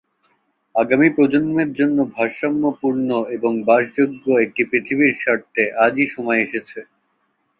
আগামী প্রজন্মের জন্য ভারসাম্যপূর্ণ এবং বাসযোগ্য একটি পৃথিবীর স্বার্থে আজই সময় এসেছে।